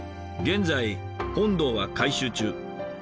現在本堂は改修中。